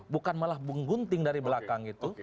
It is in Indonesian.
bukan malah menggunting dari belakang itu